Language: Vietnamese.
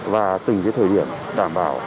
và từng thời điểm